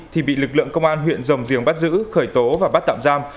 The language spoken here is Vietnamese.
thì bị lực lượng công an huyện rồng giềng bắt giữ khởi tố và bắt tạm giam